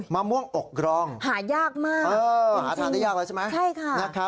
มะม่วงอกร่องจริงค่ะใช่ค่ะหาได้ยากแล้วใช่ไหม